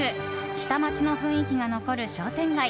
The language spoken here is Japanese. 下町の雰囲気が残る商店街